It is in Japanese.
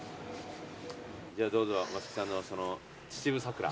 じゃあどうぞ松木さんのそのちちぶさくら。